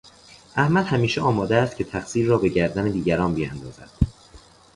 احمد همیشه آماده است که تقصیر را به گردن دیگران بیاندازد.